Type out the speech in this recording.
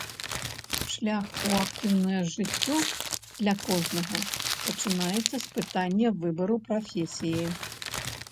Шлях у актыўнае жыццё для кожнага пачынаецца з пытання выбару прафесіі.